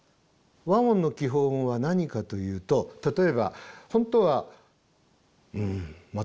和音の基本は何かというと例えば本当はうんまたいつか番組作ろう。